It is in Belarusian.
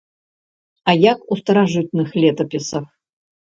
А як у старажытных летапісах.